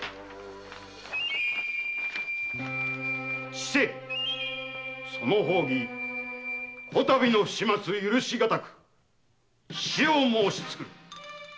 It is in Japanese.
「千世その方儀比度の不始末許し難く」「死を申しつくる」！